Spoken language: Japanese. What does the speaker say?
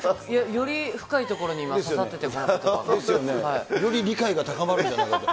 より深いところに、今、ですよね、より理解が高まるんじゃないかと。